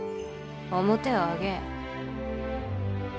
面を上げい。